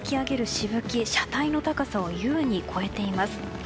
しぶきが車体の高さを優に超えています。